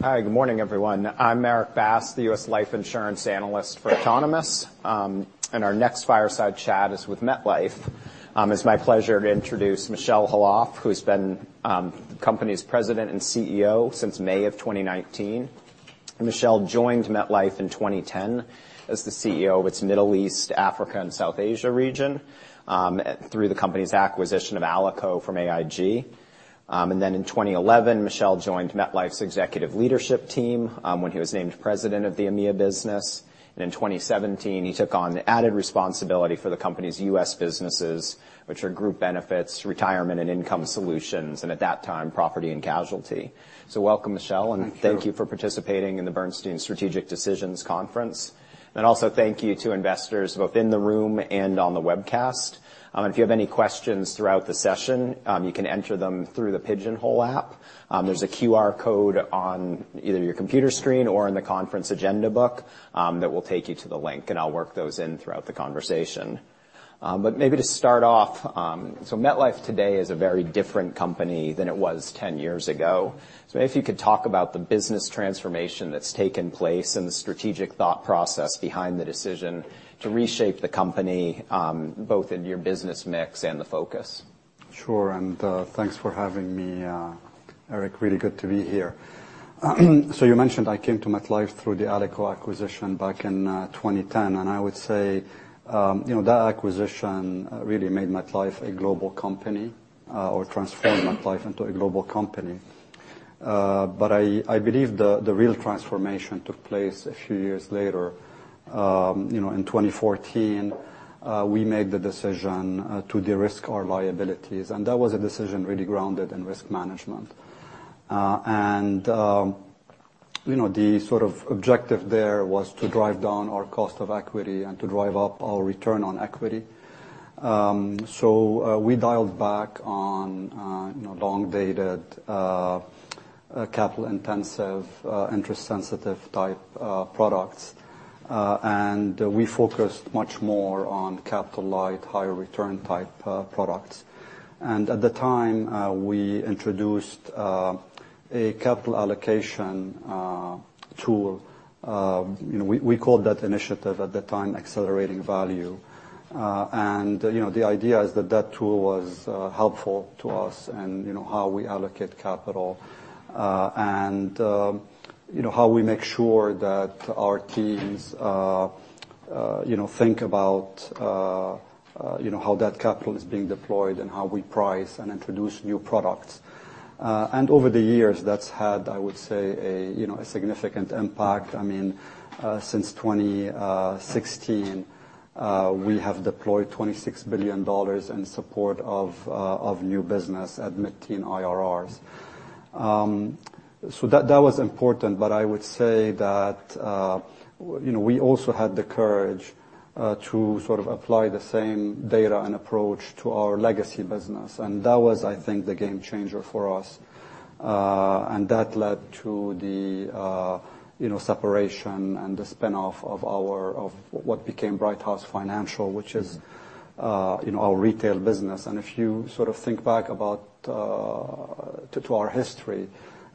Hi. Good morning, everyone. I'm Erik Bass, the U.S. life insurance analyst for Autonomous, and our next fireside chat is with MetLife. It's my pleasure to introduce Michel Khalaf, who's been the company's President and CEO since May of 2019. Michel joined MetLife in 2010 as the CEO of its Middle East, Africa, and South Asia region, through the company's acquisition of Alico from AIG. In 2011, Michel joined MetLife's executive leadership team, when he was named President of the EMEA business. In 2017, he took on added responsibility for the company's U.S. businesses, which are Group Benefits, Retirement & Income Solutions, and at that time, Property & Casualty. Welcome, Michel. Thank you. Thank you for participating in the Bernstein Strategic Decisions Conference. Also, thank you to investors both in the room and on the webcast. If you have any questions throughout the session, you can enter them through the Pigeonhole app. There's a QR code on either your computer screen or in the conference agenda book that will take you to the link, and I'll work those in throughout the conversation. Maybe to start off, MetLife today is a very different company than it was 10 years ago. Maybe if you could talk about the business transformation that's taken place and the strategic thought process behind the decision to reshape the company, both in your business mix and the focus. Sure. Thanks for having me, Erik. Really good to be here. You mentioned I came to MetLife through the Alico acquisition back in 2010, and I would say that acquisition really made MetLife a global company, or transformed MetLife into a global company. I believe the real transformation took place a few years later. In 2014, we made the decision to de-risk our liabilities, and that was a decision really grounded in risk management. The objective there was to drive down our cost of equity and to drive up our return on equity. We dialed back on long-dated, capital-intensive, interest-sensitive type products, and we focused much more on capital-light, higher return type products. At the time, we introduced a capital allocation tool. We called that initiative, at the time, Accelerating Value. The idea is that that tool was helpful to us in how we allocate capital, and how we make sure that our teams think about how that capital is being deployed and how we price and introduce new products. Over the years, that's had, I would say, a significant impact. Since 2016, we have deployed $26 billion in support of new business at mid-teen IRRs. That was important. I would say that we also had the courage to apply the same data and approach to our legacy business, and that was, I think, the game changer for us. That led to the separation and the spin-off of what became Brighthouse Financial, which is our retail business. If you think back to our history,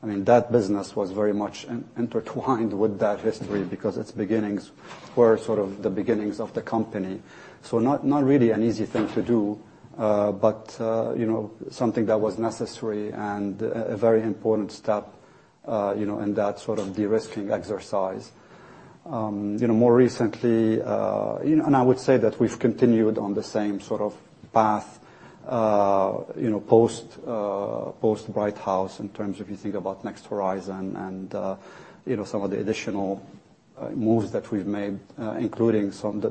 that business was very much intertwined with that history because its beginnings were the beginnings of the company. Not really an easy thing to do, but something that was necessary and a very important step in that de-risking exercise. More recently, I would say that we've continued on the same path post-Brighthouse in terms of you think about Next Horizon and some the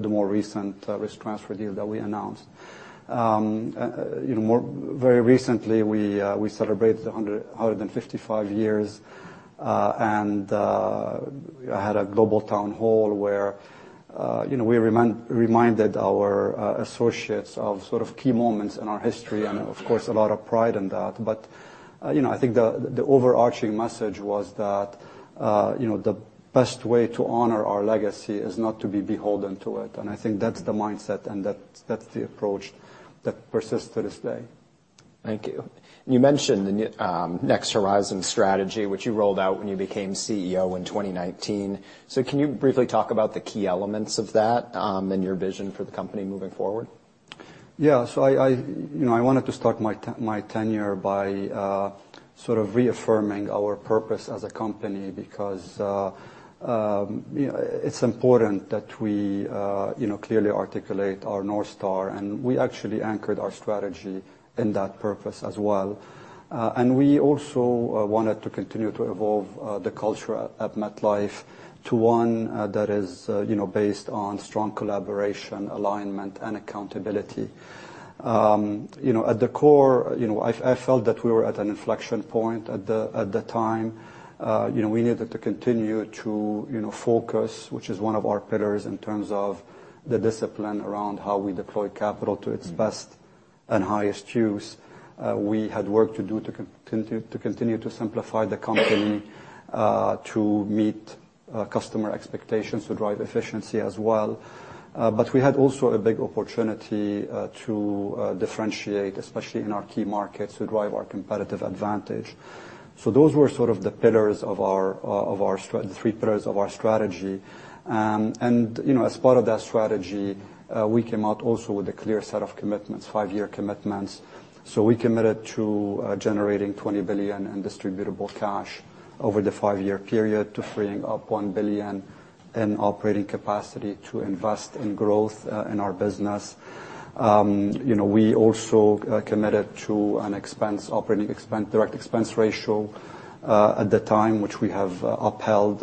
more recent risk transfer deal that we announced. Very recently, we celebrated 155 years, and had a global town hall where we reminded our associates of key moments in our history, and of course, a lot of pride in that. I think the overarching message was that the best way to honor our legacy is not to be beholden to it. I think that's the mindset and that's the approach that persists to this day. Thank you. You mentioned the Next Horizon strategy, which you rolled out when you became CEO in 2019. Can you briefly talk about the key elements of that, and your vision for the company moving forward? Yeah. I wanted to start my tenure by reaffirming our purpose as a company because it's important that we clearly articulate our North Star, and we actually anchored our strategy in that purpose as well. We also wanted to continue to evolve the culture at MetLife to one that is based on strong collaboration, alignment, and accountability. At the core, I felt that we were at an inflection point at the time. We needed to continue to focus, which is one of our pillars in terms of the discipline around how we deploy capital to its best and highest use. We had work to do to continue to simplify the company to meet customer expectations to drive efficiency as well. We had also a big opportunity to differentiate, especially in our key markets, to drive our competitive advantage. Those were sort of the three pillars of our strategy. As part of that strategy, we came out also with a clear set of commitments, five-year commitments. We committed to generating $20 billion in distributable cash over the five-year period to freeing up $1 billion in operating capacity to invest in growth in our business. We also committed to an operating expense ratio, at the time, which we have upheld.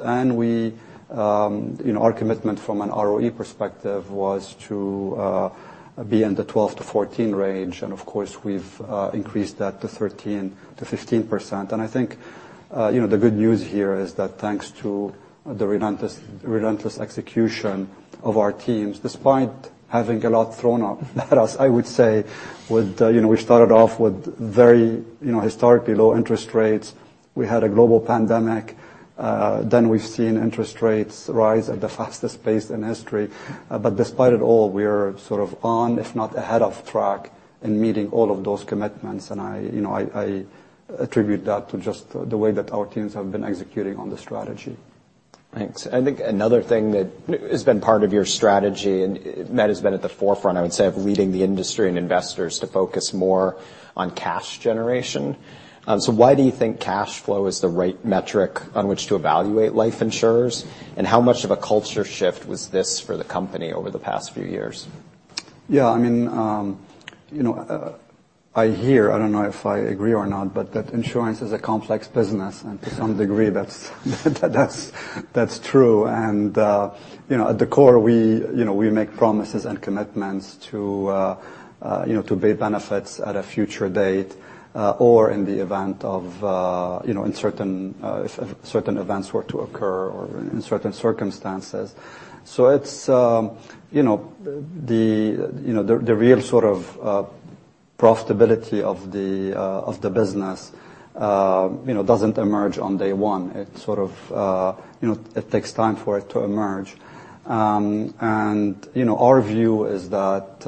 Our commitment from an ROE perspective was to be in the 12%-14% range, and of course, we've increased that to 13%-15%. I think the good news here is that thanks to the relentless execution of our teams, despite having a lot thrown at us. I would say we started off with very historically low interest rates. We had a global pandemic. We've seen interest rates rise at the fastest pace in history. Despite it all, we are sort of on, if not ahead of track in meeting all of those commitments. I attribute that to just the way that our teams have been executing on the strategy. Thanks. I think another thing that has been part of your strategy and that has been at the forefront, I would say, of leading the industry and investors to focus more on cash generation. Why do you think cash flow is the right metric on which to evaluate life insurers? How much of a culture shift was this for the company over the past few years? Yeah. I hear, I don't know if I agree or not, but that insurance is a complex business. To some degree that's true. At the core, we make promises and commitments to pay benefits at a future date or if certain events were to occur or in certain circumstances. The real sort of profitability of the business doesn't emerge on day one. It takes time for it to emerge. Our view is that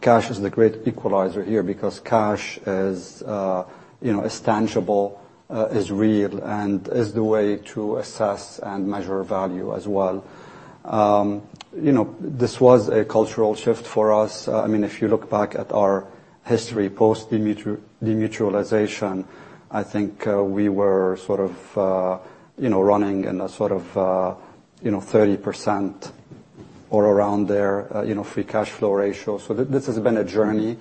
cash is the great equalizer here because cash is tangible, is real, and is the way to assess and measure value as well. This was a cultural shift for us. If you look back at our history post demutualization, I think we were sort of running in a sort of 30% or around there free cash flow ratio. This has been a journey.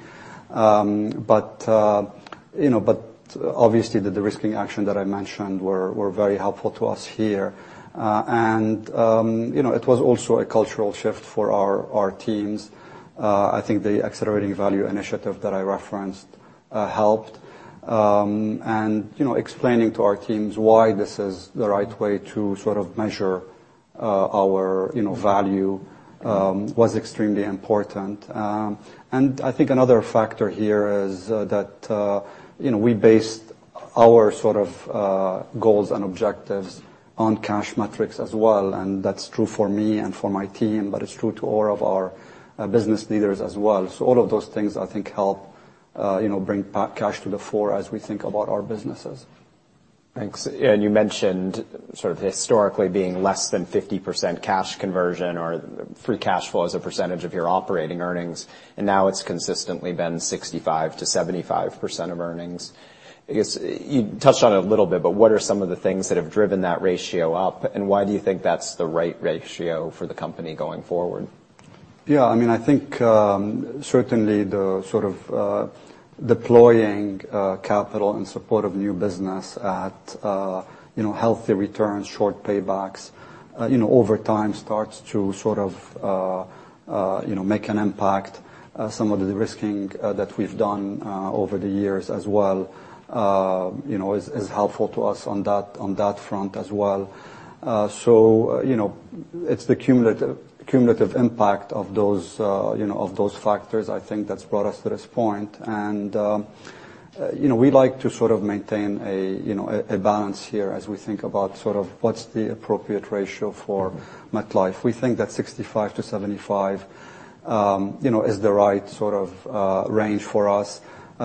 Obviously, the de-risking action that I mentioned were very helpful to us here. It was also a cultural shift for our teams. I think the Accelerating Value initiative that I referenced helped. Explaining to our teams why this is the right way to sort of measure our value was extremely important. I think another factor here is that we based our sort of goals and objectives on cash metrics as well, and that's true for me and for my team, but it's true to all of our business leaders as well. All of those things, I think help bring cash to the fore as we think about our businesses. Thanks. You mentioned sort of historically being less than 50% cash conversion or free cash flow as a percentage of your operating earnings, and now it's consistently been 65%-75% of earnings. I guess you touched on it a little bit, but what are some of the things that have driven that ratio up, and why do you think that's the right ratio for the company going forward? Yeah. I think certainly the sort of deploying capital in support of new business at healthy returns, short paybacks, over time starts to sort of make an impact. Some of the de-risking that we've done over the years as well is helpful to us on that front as well. It's the cumulative impact of those factors I think that's brought us to this point. We like to sort of maintain a balance here as we think about sort of what's the appropriate ratio for MetLife. We think that 65-75 is the right sort of range for us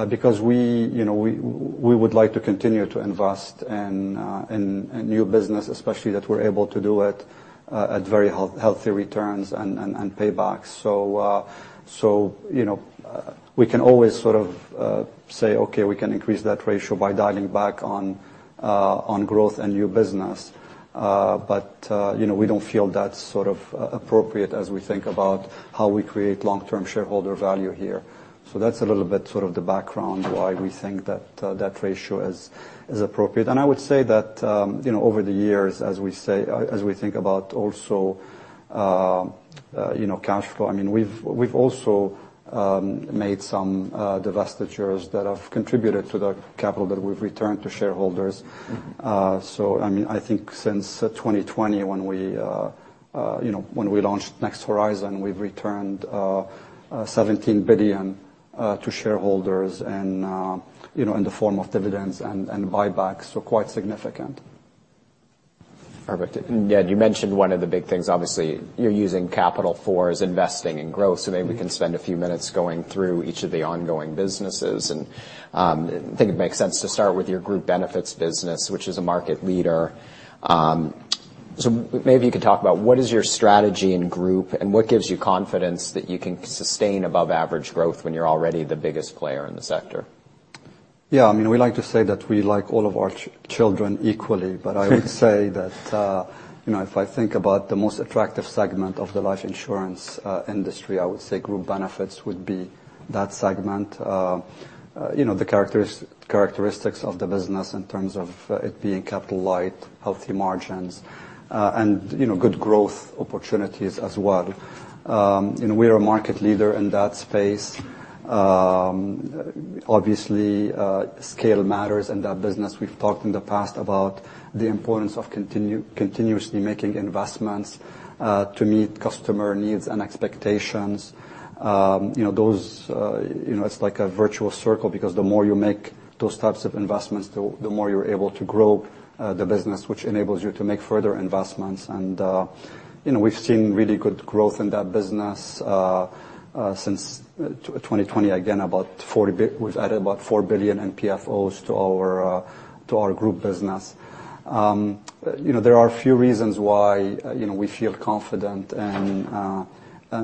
because we would like to continue to invest in new business, especially that we're able to do it at very healthy returns and paybacks. We can always sort of say, "Okay, we can increase that ratio by dialing back on growth and new business." We don't feel that's sort of appropriate as we think about how we create long-term shareholder value here. That's a little bit sort of the background why we think that that ratio is appropriate. I would say that over the years, as we think about also cash flow, we've also made some divestitures that have contributed to the capital that we've returned to shareholders. I think since 2020 when we launched Next Horizon, we've returned $17 billion to shareholders and in the form of dividends and buybacks were quite significant. You mentioned one of the big things, obviously, you're using capital for is investing in growth. Maybe we can spend a few minutes going through each of the ongoing businesses, and I think it makes sense to start with your Group Benefits business, which is a market leader. Maybe you could talk about what is your strategy in group, and what gives you confidence that you can sustain above average growth when you're already the biggest player in the sector? We like to say that we like all of our children equally. I would say that, if I think about the most attractive segment of the life insurance industry, I would say Group Benefits would be that segment. The characteristics of the business in terms of it being capital light, healthy margins, and good growth opportunities as well. We're a market leader in that space. Obviously, scale matters in that business. We've talked in the past about the importance of continuously making investments, to meet customer needs and expectations. It's like a virtual circle, because the more you make those types of investments, the more you're able to grow the business, which enables you to make further investments. We've seen really good growth in that business, since 2020, again, we've added about $4 billion in PFOs to our Group Benefits business. There are a few reasons why we feel confident in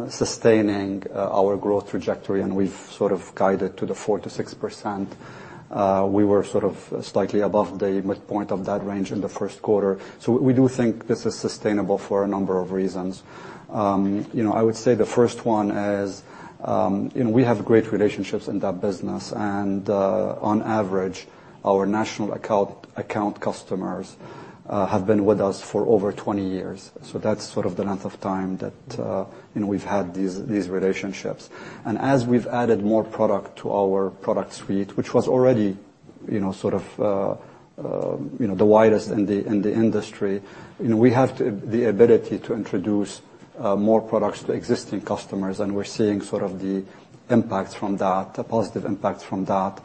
sustaining our growth trajectory. We've sort of guided to the 4%-6%. We were sort of slightly above the midpoint of that range in the first quarter. We do think this is sustainable for a number of reasons. I would say the first one is we have great relationships in that business. On average, our national account customers have been with us for over 20 years. That's sort of the length of time that we've had these relationships. As we've added more product to our product suite, which was already the widest in the industry, we have the ability to introduce more products to existing customers. We're seeing the impact from that, the positive impact from that.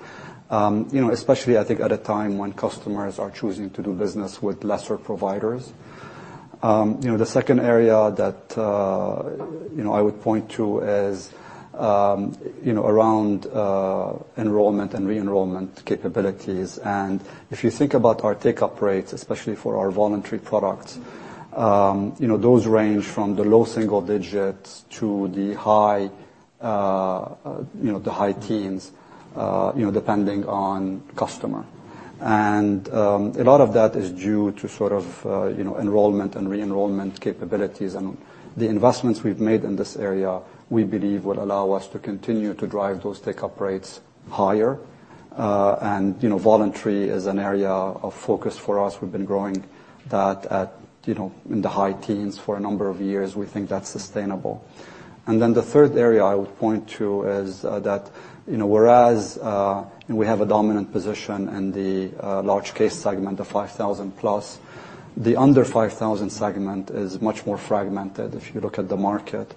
Especially I think at a time when customers are choosing to do business with lesser providers. The second area that I would point to is around enrollment and re-enrollment capabilities. If you think about our take-up rates, especially for our voluntary products, those range from the low single digits to the high teens, depending on customer. A lot of that is due to enrollment and re-enrollment capabilities. The investments we've made in this area, we believe, will allow us to continue to drive those take-up rates higher. Voluntary is an area of focus for us. We've been growing that in the high teens for a number of years. We think that's sustainable. The third area I would point to is that whereas we have a dominant position in the large case segment of 5,000 plus, the under 5,000 segment is much more fragmented if you look at the market.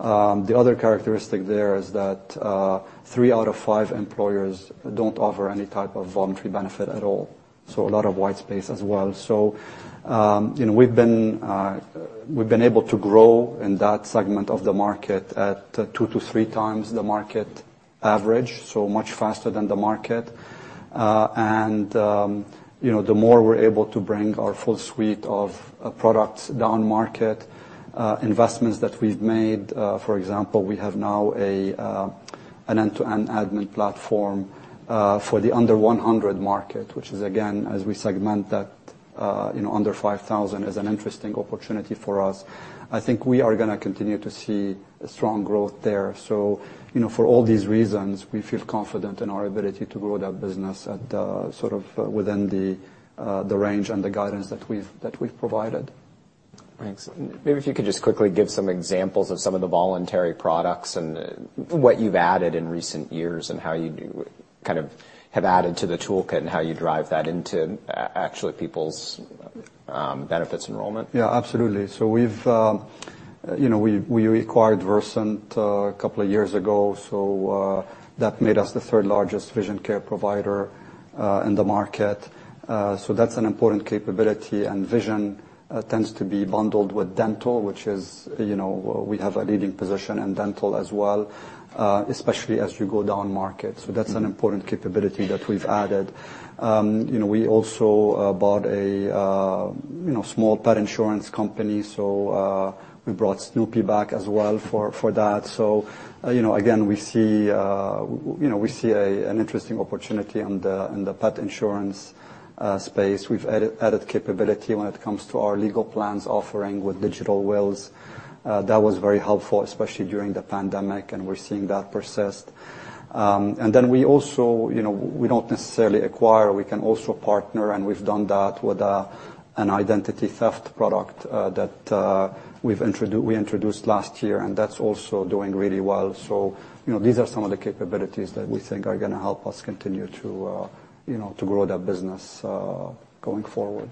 The other characteristic there is that three out of five employers don't offer any type of voluntary benefit at all. A lot of white space as well. We've been able to grow in that segment of the market at two to three times the market average, so much faster than the market. The more we're able to bring our full suite of products down market, investments that we've made, for example, we have now an end-to-end admin platform for the under 100 market. Which is again, as we segment that under 5,000, is an interesting opportunity for us. I think we are going to continue to see strong growth there. For all these reasons, we feel confident in our ability to grow that business within the range and the guidance that we've provided. Thanks. Maybe if you could just quickly give some examples of some of the voluntary products and what you've added in recent years, and how you kind of have added to the toolkit and how you drive that into actually people's benefits enrollment. Yeah, absolutely. We acquired Versant a couple of years ago, that made us the third largest vision care provider in the market. That's an important capability, and vision tends to be bundled with dental, which is, we have a leading position in dental as well, especially as you go down market. That's an important capability that we've added. We also bought a small pet insurance company, we brought Snoopy back as well for that. Again, we see an interesting opportunity in the pet insurance space. We've added capability when it comes to our legal plans offering with digital wills. That was very helpful, especially during the pandemic, and we're seeing that persist. We don't necessarily acquire, we can also partner, and we've done that with an identity theft product that we introduced last year, and that's also doing really well. These are some of the capabilities that we think are going to help us continue to grow that business going forward.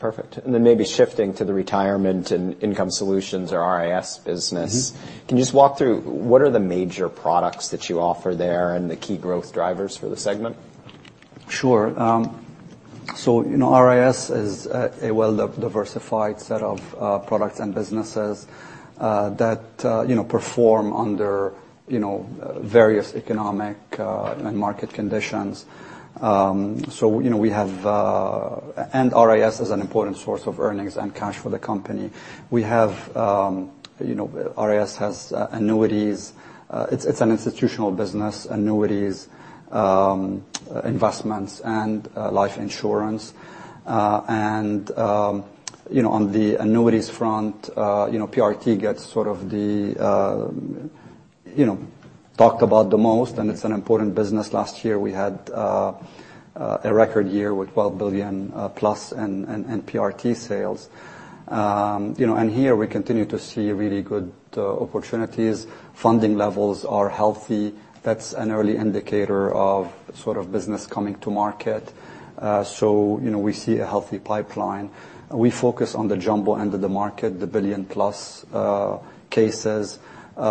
Perfect. Then maybe shifting to the Retirement & Income Solutions or RIS business. Can you just walk through what are the major products that you offer there and the key growth drivers for the segment? Sure. RIS is a well-diversified set of products and businesses that perform under various economic and market conditions. RIS is an important source of earnings and cash for the company. RIS has annuities. It's an institutional business, annuities, investments, and life insurance. On the annuities front, PRT gets sort of talked about the most, and it's an important business. Last year, we had a record year with $12 billion-plus in PRT sales. Here we continue to see really good opportunities. Funding levels are healthy. That's an early indicator of sort of business coming to market. We see a healthy pipeline. We focus on the jumbo end of the market, the billion-plus cases,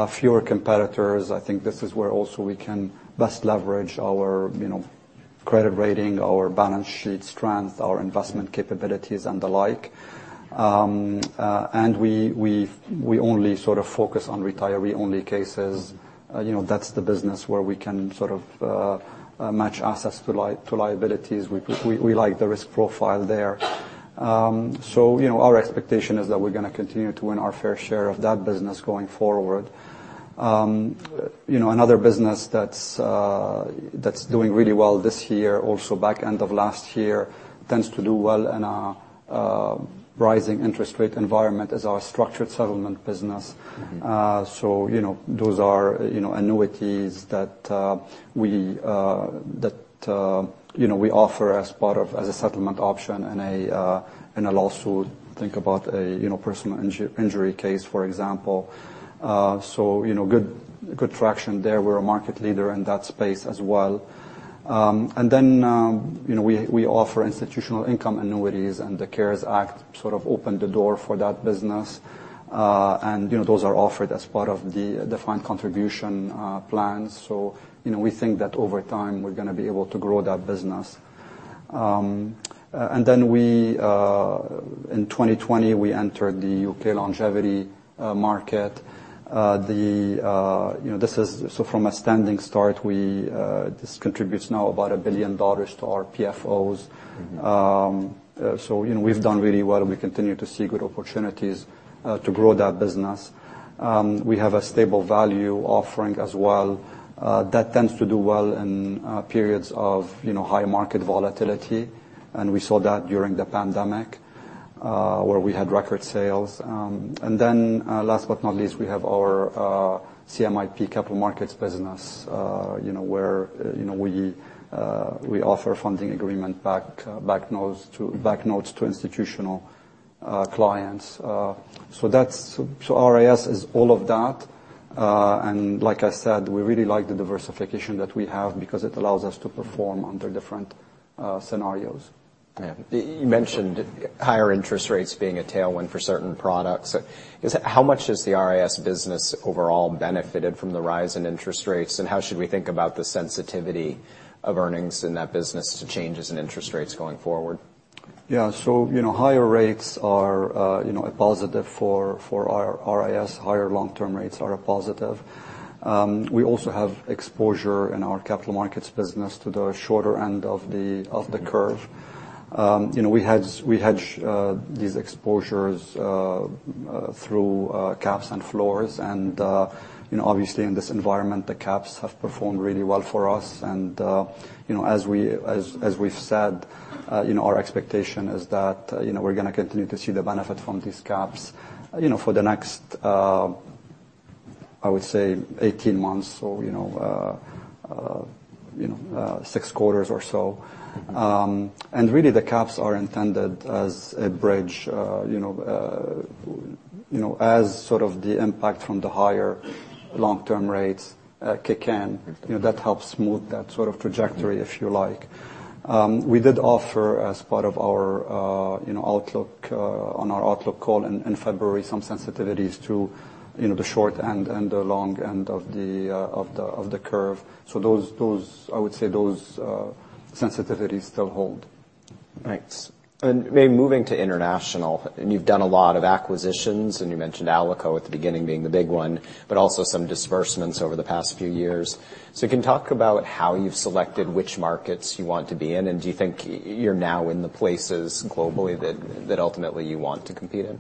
fewer competitors. I think this is where also we can best leverage our credit rating, our balance sheet strength, our investment capabilities, and the like. We only sort of focus on retiree-only cases. That's the business where we can sort of match assets to liabilities. We like the risk profile there. Our expectation is that we're going to continue to win our fair share of that business going forward. Another business that's doing really well this year, also back end of last year, tends to do well in a rising interest rate environment is our structured settlement business. Those are annuities that we offer as a settlement option in a lawsuit. Think about a personal injury case, for example. Good traction there. We're a market leader in that space as well. We offer institutional income annuities, and the CARES Act sort of opened the door for that business. Those are offered as part of the defined contribution plans. We think that over time, we're going to be able to grow that business. In 2020, we entered the U.K. longevity market. From a standing start, this contributes now about $1 billion to our PFOs. We've done really well, and we continue to see good opportunities to grow that business. We have a stable value offering as well. That tends to do well in periods of high market volatility, and we saw that during the pandemic, where we had record sales. Last but not least, we have our CMIP capital markets business, where we offer funding agreement-backed notes to institutional clients. RIS is all of that. Like I said, we really like the diversification that we have because it allows us to perform under different scenarios. Yeah. You mentioned higher interest rates being a tailwind for certain products. How much has the RIS business overall benefited from the rise in interest rates, and how should we think about the sensitivity of earnings in that business to changes in interest rates going forward? Yeah. Higher rates are a positive for our RIS. Higher long-term rates are a positive. We also have exposure in our capital markets business to the shorter end of the curve. We hedge these exposures through caps and floors. Obviously, in this environment, the caps have performed really well for us. As we've said, our expectation is that we're going to continue to see the benefit from these caps for the next, I would say, 18 months or six quarters or so. Really, the caps are intended as a bridge as sort of the impact from the higher long-term rates kick in. That helps smooth that sort of trajectory, if you like. We did offer, as part of our outlook on our outlook call in February, some sensitivities to the short end and the long end of the curve. I would say those sensitivities still hold. Thanks. Maybe moving to international, you've done a lot of acquisitions, you mentioned Alico at the beginning being the big one, but also some disbursements over the past few years. Can you talk about how you've selected which markets you want to be in, and do you think you're now in the places globally that ultimately you want to compete in?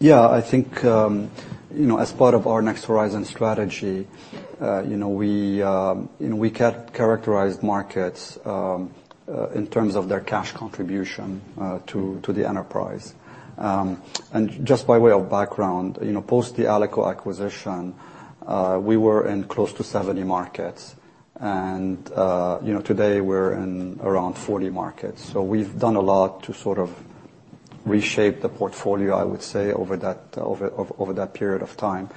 Yeah. I think as part of our Next Horizon strategy, we characterized markets in terms of their cash contribution to the enterprise. Just by way of background, post the Alico acquisition, we were in close to 70 markets. Today, we're in around 40 markets. We've done a lot to reshape the portfolio, I would say, over that period of time.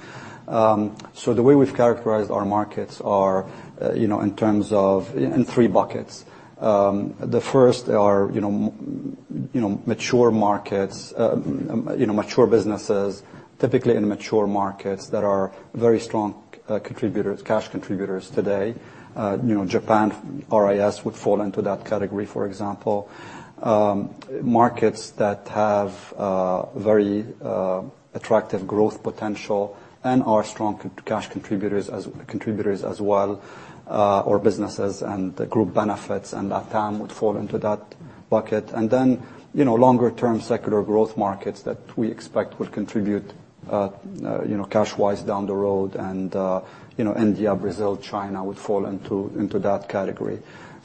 The way we've characterized our markets are in three buckets. The first are mature markets, mature businesses, typically in mature markets that are very strong contributors, cash contributors today. Japan RIS would fall into that category, for example. Markets that have very attractive growth potential and are strong cash contributors as well, or businesses and Group Benefits, LATAM would fall into that bucket. Then, longer-term secular growth markets that we expect will contribute cash-wise down the road, India, Brazil, China would fall into that category.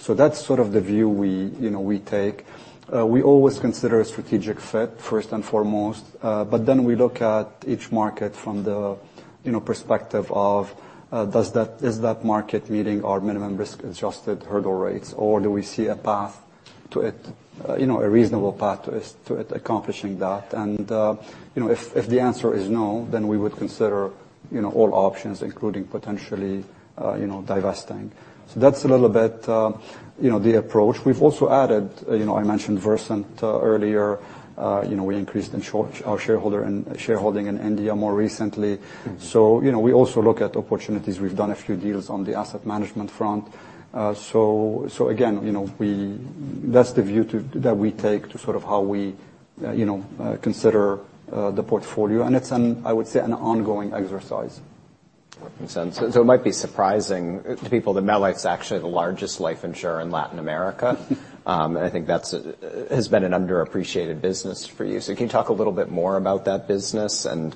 That's sort of the view we take. We always consider a strategic fit, first and foremost, but then we look at each market from the perspective of, is that market meeting our minimum risk-adjusted hurdle rates, or do we see a path to it, a reasonable path to it accomplishing that? If the answer is no, then we would consider all options, including potentially divesting. That's a little bit the approach. We've also added, I mentioned Versant earlier. We increased our shareholding in India more recently. We also look at opportunities. We've done a few deals on the asset management front. Again, that's the view that we take to sort of how we consider the portfolio. It's, I would say, an ongoing exercise. Makes sense. It might be surprising to people that MetLife's actually the largest life insurer in Latin America. I think that has been an underappreciated business for you. Can you talk a little bit more about that business and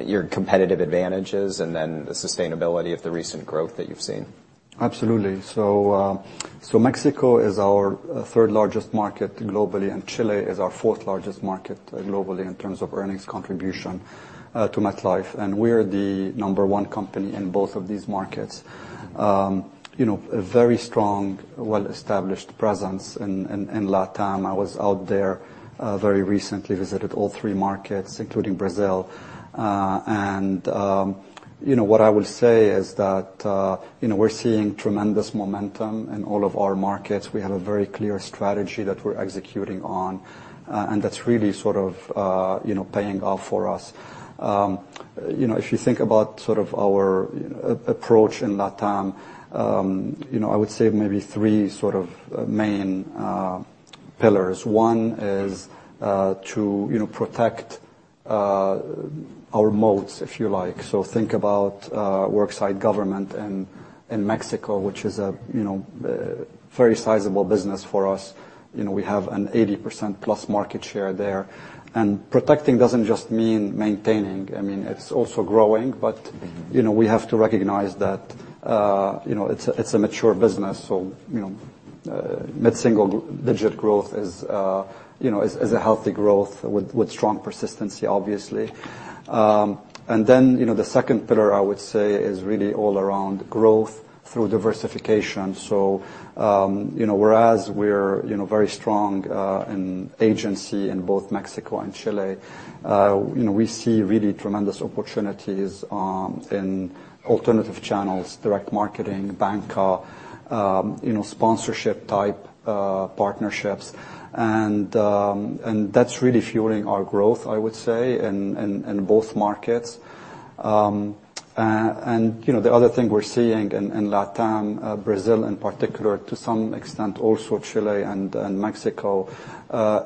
your competitive advantages, and then the sustainability of the recent growth that you've seen? Absolutely. Mexico is our third-largest market globally, and Chile is our fourth-largest market globally in terms of earnings contribution to MetLife. We're the number one company in both of these markets. A very strong, well-established presence in LATAM. I was out there very recently, visited all three markets, including Brazil. What I will say is that we're seeing tremendous momentum in all of our markets. We have a very clear strategy that we're executing on. That's really sort of paying off for us. If you think about our approach in LATAM, I would say maybe three main pillars. One is to protect our moats, if you like. Think about worksite government in Mexico, which is a very sizable business for us. We have an 80%-plus market share there. Protecting doesn't just mean maintaining. I mean, it's also growing. We have to recognize that it's a mature business. Mid-single digit growth is a healthy growth with strong persistency, obviously. The second pillar, I would say, is really all around growth through diversification. Whereas we're very strong in agency in both Mexico and Chile, we see really tremendous opportunities in alternative channels, direct marketing, bancassurance, sponsorship-type partnerships. That's really fueling our growth, I would say, in both markets. The other thing we're seeing in LATAM, Brazil in particular, to some extent also Chile and Mexico,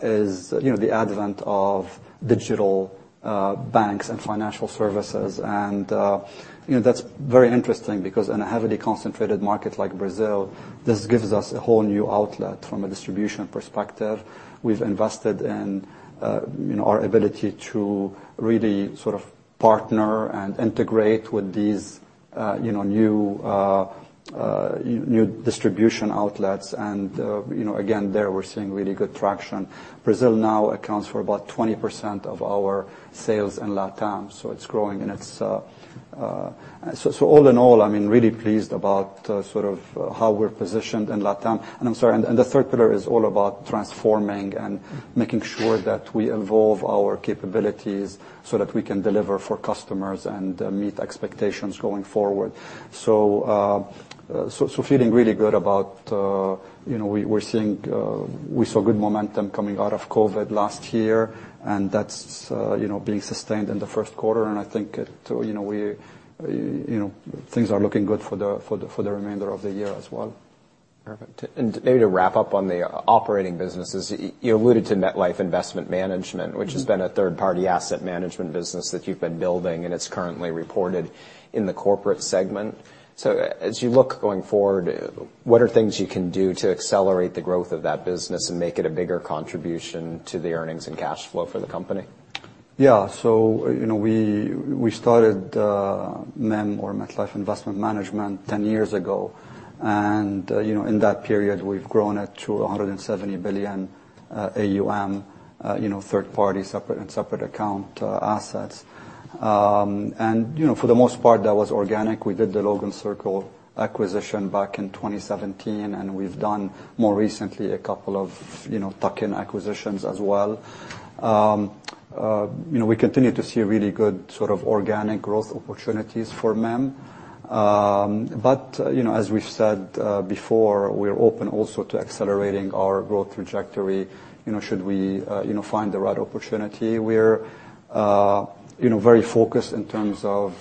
is the advent of digital banks and financial services. That's very interesting because in a heavily concentrated market like Brazil, this gives us a whole new outlet from a distribution perspective. We've invested in our ability to really sort of partner and integrate with these new distribution outlets. There, we're seeing really good traction. Brazil now accounts for about 20% of our sales in LATAM, it's growing. All in all, I'm really pleased about how we're positioned in LATAM. I'm sorry, and the third pillar is all about transforming and making sure that we evolve our capabilities so that we can deliver for customers and meet expectations going forward. We saw good momentum coming out of COVID last year, and that's being sustained in the first quarter, and I think things are looking good for the remainder of the year as well. Perfect. Maybe to wrap up on the operating businesses, you alluded to MetLife Investment Management- which has been a third-party asset management business that you've been building, and it's currently reported in the corporate segment. As you look going forward, what are things you can do to accelerate the growth of that business and make it a bigger contribution to the earnings and cash flow for the company? Yeah. We started MIM, or MetLife Investment Management, 10 years ago. In that period, we've grown it to $170 billion AUM, third-party in separate account assets. For the most part, that was organic. We did the Logan Circle acquisition back in 2017, and we've done more recently a couple of tuck-in acquisitions as well. We continue to see really good organic growth opportunities for MIM. As we've said before, we are open also to accelerating our growth trajectory should we find the right opportunity. We are very focused in terms of,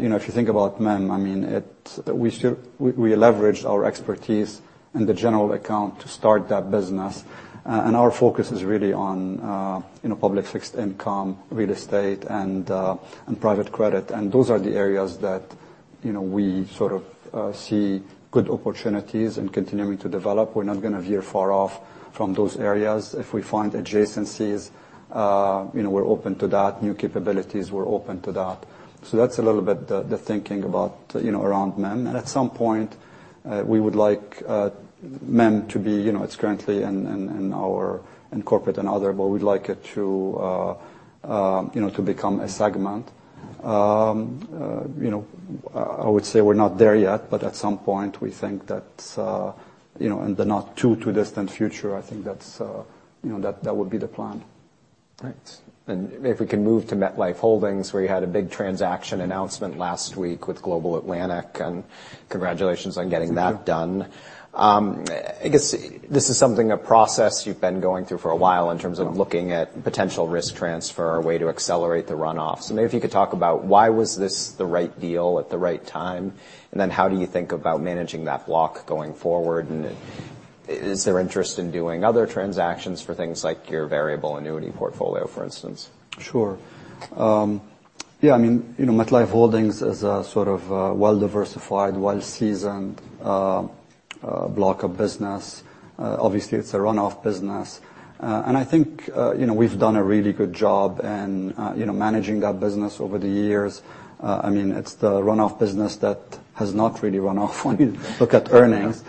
if you think about MIM, we leveraged our expertise in the general account to start that business. Our focus is really on public fixed income, real estate, and private credit. Those are the areas that we sort of see good opportunities in continuing to develop. We're not going to veer far off from those areas. If we find adjacencies, we're open to that. New capabilities, we're open to that. That's a little bit the thinking around MIM. At some point, we would like MIM to be It's currently in Corporate and Other, but we'd like it to become a segment. I would say we're not there yet, but at some point we think that in the not too distant future, I think that would be the plan. Right. If we can move to MetLife Holdings, where you had a big transaction announcement last week with Global Atlantic, congratulations on getting that done. Thank you. I guess this is something, a process you've been going through for a while in terms of looking at potential risk transfer, a way to accelerate the runoff. Maybe if you could talk about why was this the right deal at the right time, then how do you think about managing that block going forward, is there interest in doing other transactions for things like your variable annuity portfolio, for instance? Sure. Yeah, MetLife Holdings is a sort of well-diversified, well-seasoned block of business. Obviously, it's a runoff business. I think we've done a really good job in managing that business over the years. It's the runoff business that has not really run off when you look at earnings.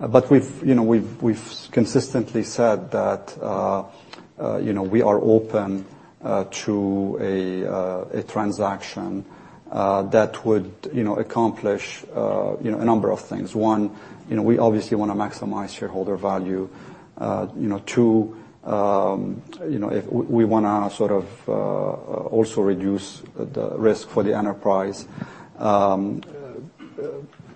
We've consistently said that we are open to a transaction that would accomplish a number of things. One, we obviously want to maximize shareholder value. Two, we want to sort of also reduce the risk for the enterprise,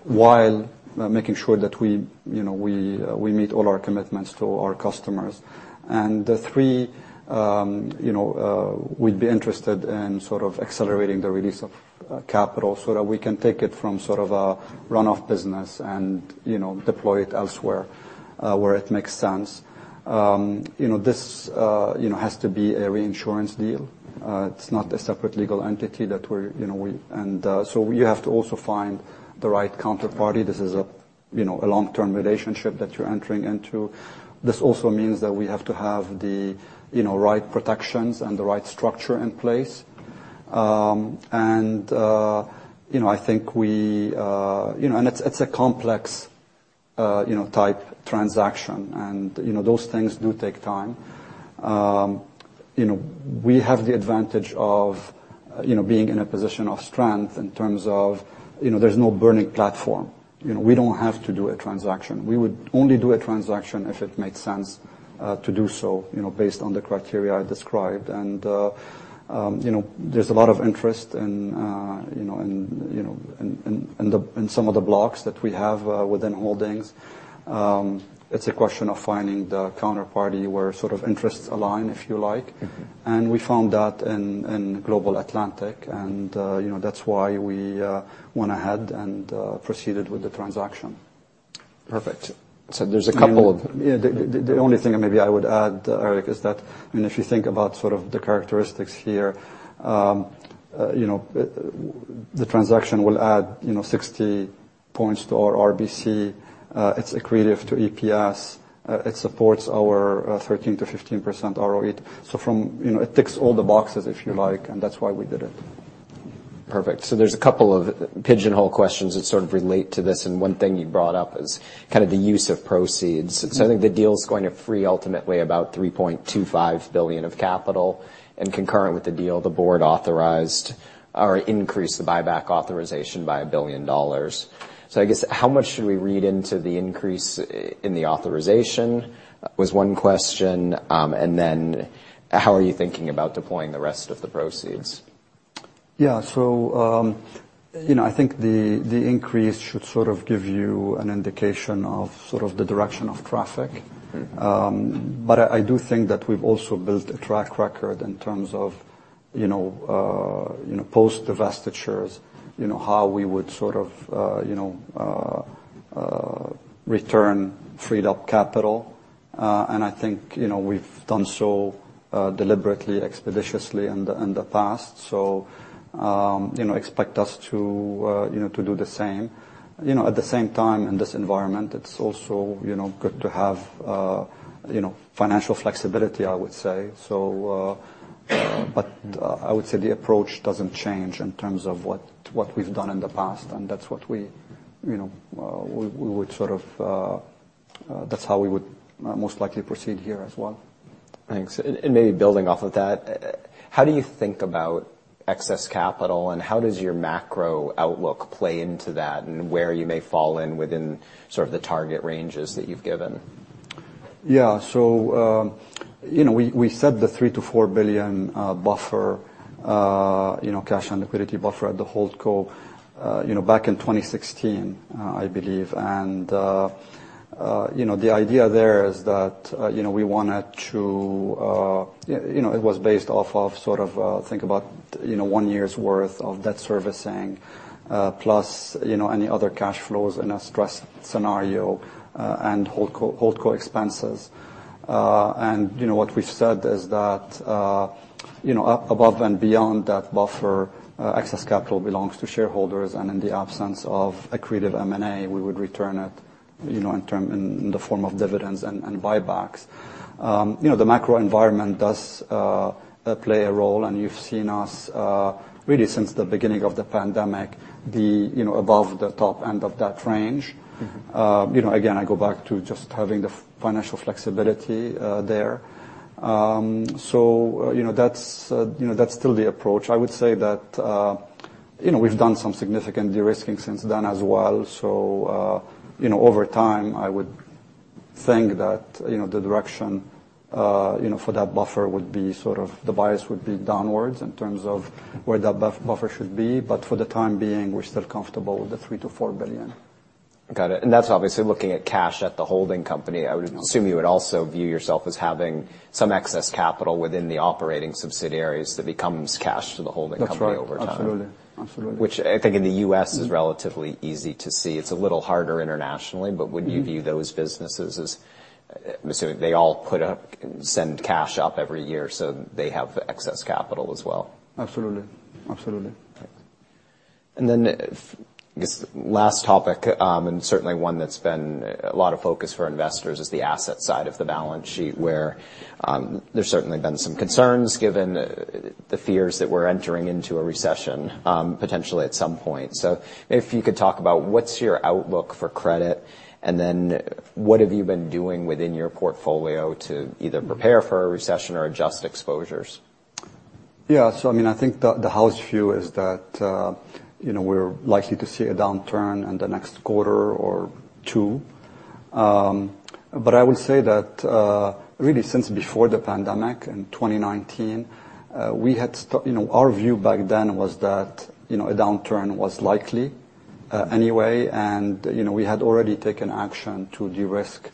while making sure that we meet all our commitments to our customers. Three, we'd be interested in accelerating the release of capital so that we can take it from sort of a runoff business and deploy it elsewhere where it makes sense. This has to be a reinsurance deal. It's not a separate legal entity. You have to also find the right counterparty. This is a long-term relationship that you're entering into. This also means that we have to have the right protections and the right structure in place. It's a complex type transaction, and those things do take time. We have the advantage of being in a position of strength in terms of there's no burning platform. We don't have to do a transaction. We would only do a transaction if it made sense to do so based on the criteria I described. There's a lot of interest in some of the blocks that we have within Holdings. It's a question of finding the counterparty where sort of interests align, if you like, and we found that in Global Atlantic, That's why we went ahead and proceeded with the transaction. Perfect. There's a couple of. The only thing maybe I would add, Erik, is that if you think about the characteristics here, the transaction will add 60 points to our RBC. It's accretive to EPS. It supports our 13%-15% ROE. It ticks all the boxes, if you like, and that's why we did it. Perfect. There's a couple of Pigeonhole questions that sort of relate to this. One thing you brought up is kind of the use of proceeds. I think the deal is going to free ultimately about $3.25 billion of capital, and concurrent with the deal, the board increased the buyback authorization by $1 billion. I guess how much should we read into the increase in the authorization? Was one question, and then how are you thinking about deploying the rest of the proceeds? Yeah. I think the increase should give you an indication of the direction of traffic. I do think that we've also built a track record in terms of post-divestitures, how we would return freed up capital. I think we've done so deliberately, expeditiously in the past. Expect us to do the same. At the same time, in this environment, it's also good to have financial flexibility, I would say. I would say the approach doesn't change in terms of what we've done in the past, and that's how we would most likely proceed here as well. Thanks. Maybe building off of that, how do you think about excess capital, and how does your macro outlook play into that, and where you may fall in within sort of the target ranges that you've given? Yeah. We set the $3 billion-$4 billion buffer, cash and liquidity buffer at the holdco, back in 2016, I believe. The idea there is that it was based off of sort of, think about one year's worth of debt servicing, plus any other cash flows in a stress scenario, and holdco expenses. What we've said is that above and beyond that buffer, excess capital belongs to shareholders, and in the absence of accretive M&A, we would return it in the form of dividends and buybacks. The macro environment does play a role, and you've seen us really since the beginning of the pandemic, above the top end of that range. Again, I go back to just having the financial flexibility there. That's still the approach. I would say that we've done some significant de-risking since then as well. Over time, I would think that the direction for that buffer would be sort of, the bias would be downwards in terms of where that buffer should be. For the time being, we're still comfortable with the $3 billion-$4 billion. Got it. That's obviously looking at cash at the holding company. I would assume you would also view yourself as having some excess capital within the operating subsidiaries that becomes cash to the holding company. That's right. over time. Absolutely. Which I think in the U.S. is relatively easy to see. It's a little harder internationally, would you view those businesses as, I'm assuming they all put up, send cash up every year, so they have excess capital as well. Absolutely. I guess, last topic, certainly one that's been a lot of focus for investors is the asset side of the balance sheet, where there's certainly been some concerns given the fears that we're entering into a recession, potentially at some point. Maybe if you could talk about what's your outlook for credit, then what have you been doing within your portfolio to either prepare for a recession or adjust exposures? Yeah. I think the house view is that we're likely to see a downturn in the next quarter or two. I would say that really since before the pandemic in 2019, our view back then was that a downturn was likely anyway, we had already taken action to de-risk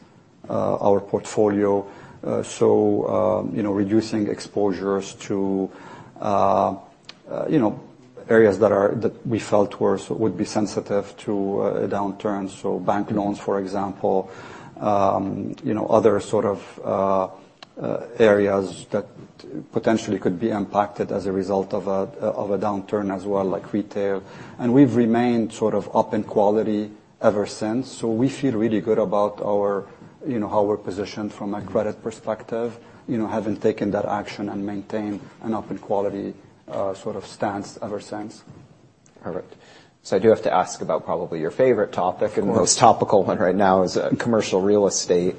our portfolio. Reducing exposures to areas that we felt would be sensitive to a downturn. Bank loans, for example, other sort of areas that potentially could be impacted as a result of a downturn as well, like retail. We've remained sort of up in quality ever since. We feel really good about how we're positioned from a credit perspective, having taken that action and maintained an up-in-quality sort of stance ever since. Perfect. I do have to ask about probably your favorite topic. Of course Most topical one right now is commercial real estate,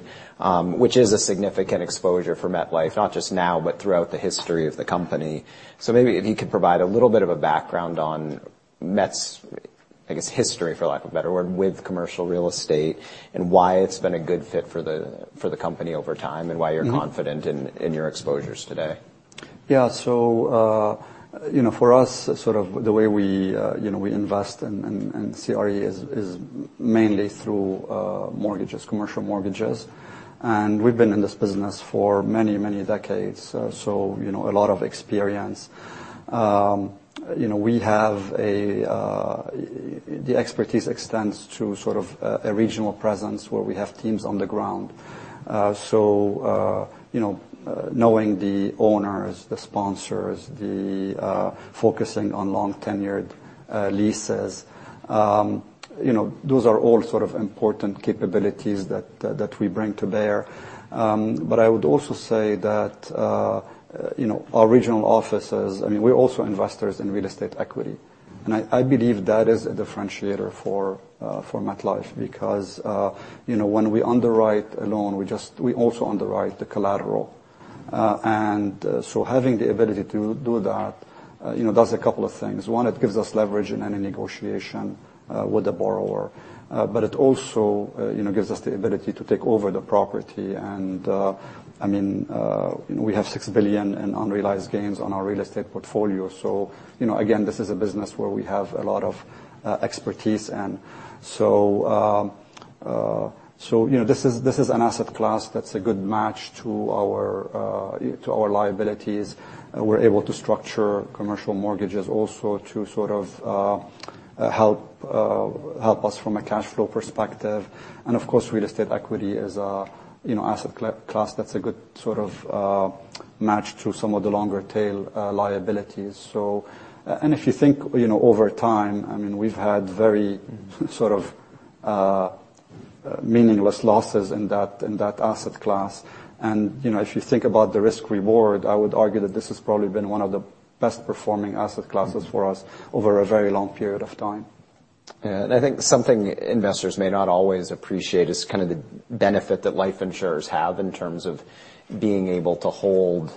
which is a significant exposure for MetLife, not just now, but throughout the history of the company. Maybe if you could provide a little bit of a background on Met's, I guess, history, for lack of a better word, with commercial real estate, and why it's been a good fit for the company over time, and why you're confident in your exposures today. Yeah. For us, sort of the way we invest in CRE is mainly through mortgages, commercial mortgages. We've been in this business for many decades, a lot of experience. The expertise extends to sort of a regional presence where we have teams on the ground. Knowing the owners, the sponsors, the focusing on long-tenured leases, those are all sort of important capabilities that we bring to bear. I would also say that our regional offices, we're also investors in real estate equity. I believe that is a differentiator for MetLife because when we underwrite a loan, we also underwrite the collateral. Having the ability to do that does a couple of things. One, it gives us leverage in any negotiation with the borrower. It also gives us the ability to take over the property, and we have $6 billion in unrealized gains on our real estate portfolio. Again, this is a business where we have a lot of expertise, and so this is an asset class that's a good match to our liabilities. We're able to structure commercial mortgages also to sort of help us from a cash flow perspective. Of course, real estate equity is an asset class that's a good sort of match to some of the longer tail liabilities. If you think over time, we've had very sort of meaningless losses in that asset class. If you think about the risk-reward, I would argue that this has probably been one of the best-performing asset classes for us over a very long period of time. Yeah. I think something investors may not always appreciate is kind of the benefit that life insurers have in terms of being able to hold,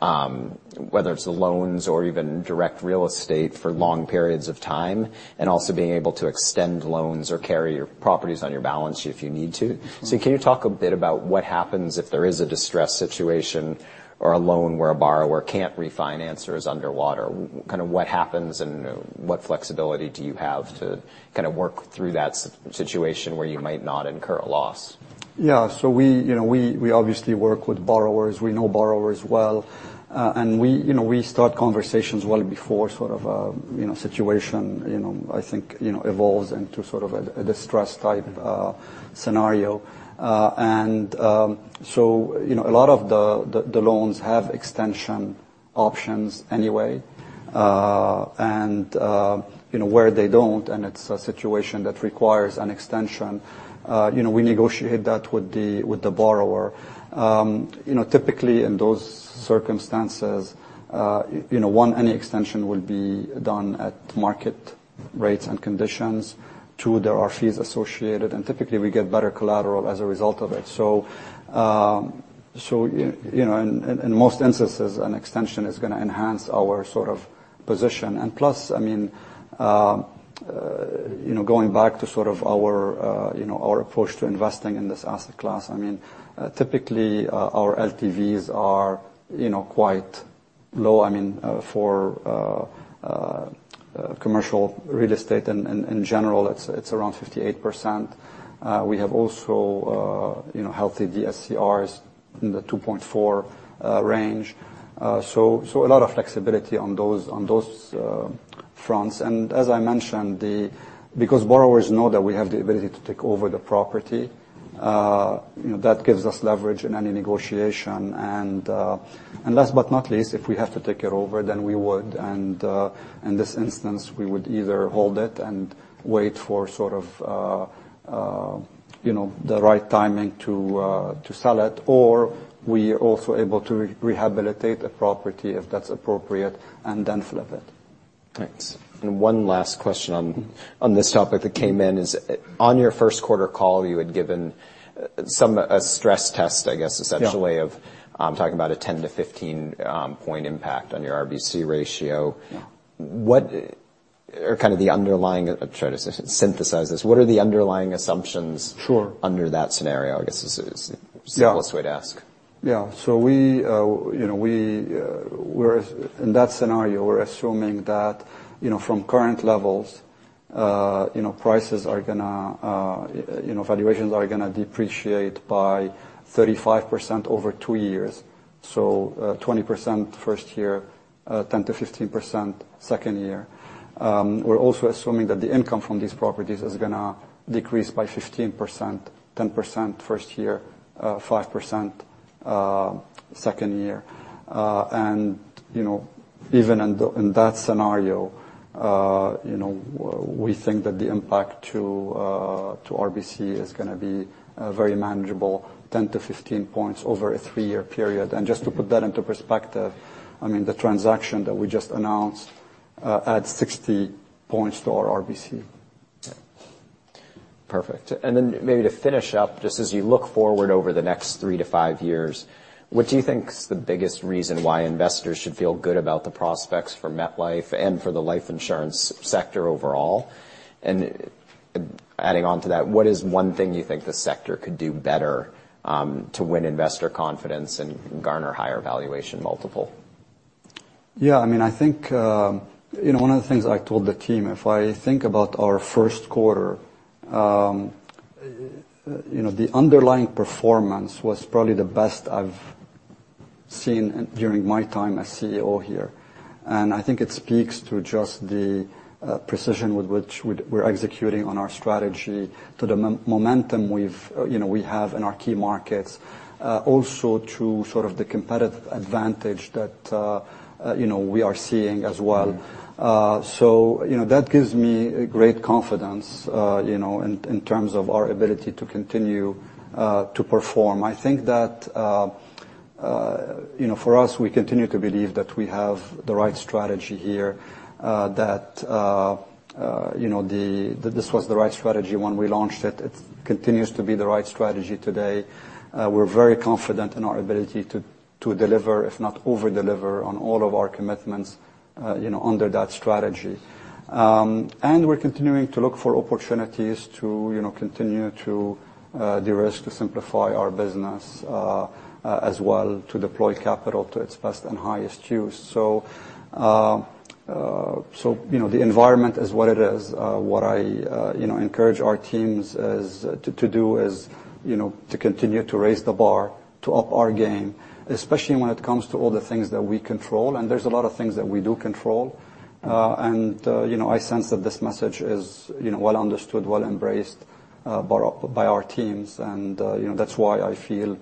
whether it's the loans or even direct real estate for long periods of time, also being able to extend loans or carry your properties on your balance if you need to. Can you talk a bit about what happens if there is a distressed situation or a loan where a borrower can't refinance or is underwater, kind of what happens and what flexibility do you have to kind of work through that situation where you might not incur a loss? Yeah. We obviously work with borrowers. We know borrowers well. We start conversations well before sort of a situation, I think, evolves into sort of a distressed type- scenario. A lot of the loans have extension options anyway. Where they don't, and it's a situation that requires an extension, we negotiate that with the borrower. Typically in those circumstances, one, any extension will be done at market rates and conditions. Two, there are fees associated, and typically, we get better collateral as a result of it. In most instances, an extension is going to enhance our sort of position. Plus, going back to sort of our approach to investing in this asset class, typically, our LTVs are quite low. For commercial real estate, in general, it's around 58%. We have also healthy DSCRs in the 2.4 range. A lot of flexibility on those fronts. As I mentioned, because borrowers know that we have the ability to take over the property, that gives us leverage in any negotiation. Last but not least, if we have to take it over, then we would, and in this instance, we would either hold it and wait for sort of the right timing to sell it, or we are also able to rehabilitate a property if that's appropriate, and then flip it. Thanks. One last question on this topic that came in is, on your first quarter call, you had given a stress test, I guess. Yeah Of talking about a 10-15 point impact on your RBC ratio. Yeah. I'll try to synthesize this. What are the underlying assumptions? Sure under that scenario, I guess, is the Yeah simplest way to ask. In that scenario, we're assuming that from current levels, valuations are going to depreciate by 35% over two years. 20% first year, 10%-15% second year. We're also assuming that the income from these properties is going to decrease by 15%, 10% first year, 5% second year. Even in that scenario, we think that the impact to RBC is going to be very manageable, 10-15 points over a three-year period. Just to put that into perspective, the transaction that we just announced adds 60 points to our RBC. Maybe to finish up, just as you look forward over the next three to five years, what do you think is the biggest reason why investors should feel good about the prospects for MetLife and for the life insurance sector overall? Adding on to that, what is one thing you think the sector could do better, to win investor confidence and garner higher valuation multiple? Yeah. One of the things I told the team, if I think about our first quarter, the underlying performance was probably the best I've seen during my time as CEO here. I think it speaks to just the precision with which we're executing on our strategy to the momentum we have in our key markets. Also to sort of the competitive advantage that we are seeing as well. That gives me great confidence in terms of our ability to continue to perform. I think that, for us, we continue to believe that we have the right strategy here. That this was the right strategy when we launched it. It continues to be the right strategy today. We're very confident in our ability to deliver, if not over-deliver on all of our commitments under that strategy. We're continuing to look for opportunities to continue to de-risk, to simplify our business, as well to deploy capital to its best and highest use. The environment is what it is. What I encourage our teams to do is to continue to raise the bar, to up our game, especially when it comes to all the things that we control. There's a lot of things that we do control. I sense that this message is well understood, well-embraced by our teams, and that's why I feel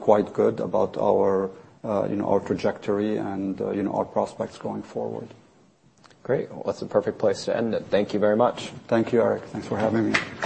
quite good about our trajectory and our prospects going forward. Great. Well, that's a perfect place to end it. Thank you very much. Thank you, Erik. Thanks for having me.